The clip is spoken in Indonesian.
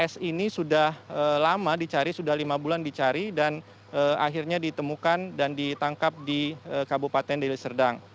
s ini sudah lama dicari sudah lima bulan dicari dan akhirnya ditemukan dan ditangkap di kabupaten deli serdang